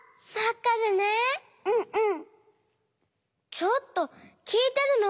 ちょっときいてるの？